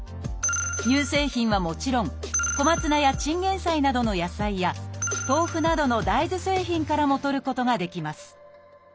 乳製品はもちろんコマツナやチンゲイサイなどの野菜や豆腐などの大豆製品からもとることができます